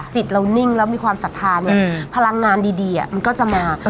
จิตเรานิ่งแล้วมีความศรัทธาเนี่ยพลังงานดีมันก็จะมา